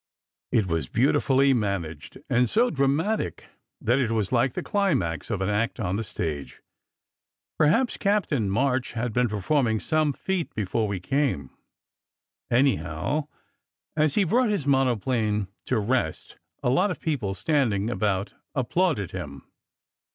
It was beautifully managed, and so dramatic that it was like the climax of an act on the stage. Perhaps Captain March had been performing some feat before we came; anyhow, as he brought his monoplane to rest a lot of peo ple standing about applauded him.